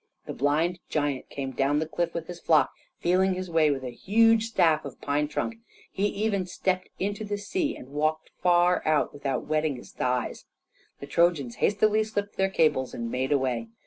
The blind giant came down the cliff with his flock, feeling his way with a huge staff of pine trunk. He even stepped into the sea, and walked far out without wetting his thighs. The Trojans hastily slipped their cables, and made away.